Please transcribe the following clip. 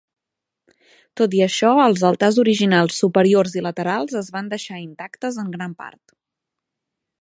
Tot i això, els altars originals superiors i laterals es van deixar intactes en gran part.